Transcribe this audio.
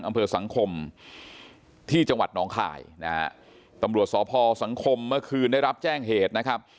อำเภอสังคมที่จังหวัดหนองคายนะฮะตำรวจสพสังคมเมื่อคืนได้รับแจ้งเหตุนะครับ